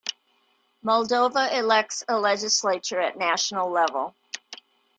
Moldova elects a legislature at national level.